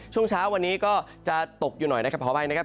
ช่วงเช้าวันนี้ก็จะตกอยู่หน่อยนะครับขออภัยนะครับ